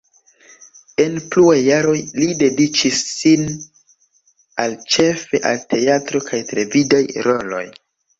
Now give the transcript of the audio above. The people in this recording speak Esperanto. En pluaj jaroj li dediĉis sin al ĉefe al teatro kaj televidaj roloj.